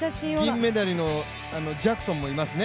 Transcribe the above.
銀メダルのジャクソンもいますね。